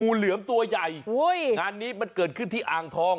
เหลือมตัวใหญ่งานนี้มันเกิดขึ้นที่อ่างทอง